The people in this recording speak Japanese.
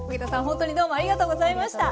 ほんとにどうもありがとうございました。